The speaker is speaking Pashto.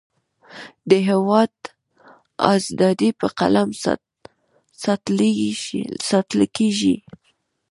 د هیواد اذادی په قلم ساتلکیږی